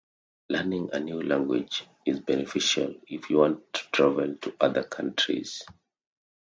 Learning a new language is beneficial if you want to travel to other countries.